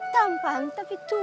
tampan tapi tua